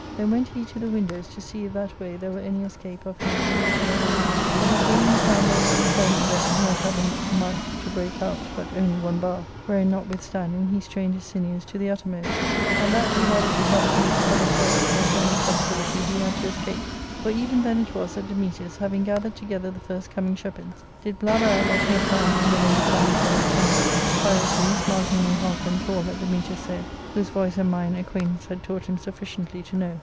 Then went he to the windows, to see if that way there were any escape of him and his dear lady ; but as vain he found all his em plojonent there, not having might to break out but only one bar, wherein notwithstanding he strained his sinews to the uttermost And that he rather took out to use for other service than for any possibility he had to escape ; for even then it was that Dametas, having gathered together the first coming shepherds, did blabber out what he had found in the lady Philoclea's chamber. Pyrocles markingly hearkened to all that Dametas said, whose voice and mind acquaintance had taught him sufficiendy to know.